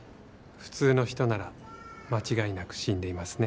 普通の人なら間違いなく死んでいますね。